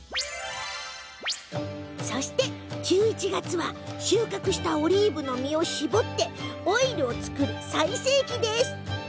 そして１１月は収穫したオリーブの実を搾ってオイルを作る最盛期。